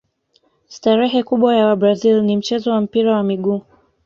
starehe kubwa ya wabrazil ni mchezo wa mpira wa miguu